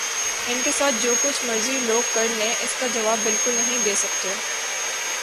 ان کے ساتھ جو کچھ مرضی لوگ کر لیں اس کے جواب بالکل نہیں دے سکتے